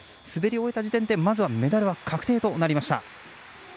滑り終えた時点でまずはメダルは確定となりました。